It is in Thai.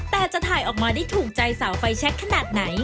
แต่จะถ่ายออกมาได้ถูกใจสาวไฟแชคขนาดไหน